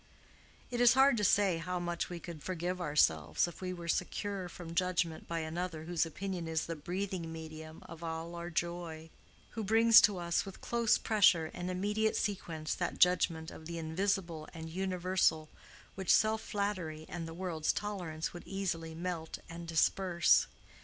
It is hard to say how much we could forgive ourselves if we were secure from judgment by another whose opinion is the breathing medium of all our joy—who brings to us with close pressure and immediate sequence that judgment of the Invisible and Universal which self flattery and the world's tolerance would easily melt and disperse.